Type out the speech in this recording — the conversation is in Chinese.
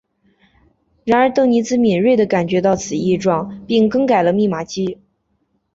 然而邓尼兹敏锐地感觉到此异状并更改了密码机。